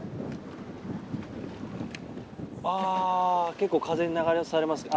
結構、風に流されますね。